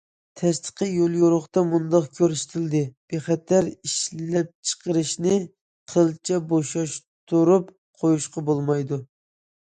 تەستىقىي يوليورۇقتا مۇنداق كۆرسىتىلدى: بىخەتەر ئىشلەپچىقىرىشنى قىلچە بوشاشتۇرۇپ قويۇشقا بولمايدۇ.